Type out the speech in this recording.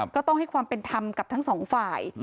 ก็ต้องให้ความเป็นธรรมกับทั้งสองฝ่าย